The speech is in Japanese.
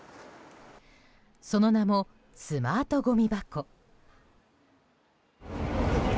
その名もスマートごみ箱。